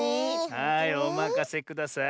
はいおまかせください。